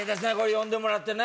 呼んでもらってね